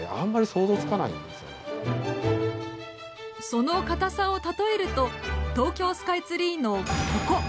その硬さを例えると東京スカイツリーのここ！